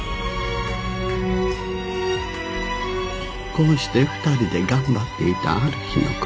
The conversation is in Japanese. こうして２人で頑張っていたある日の事。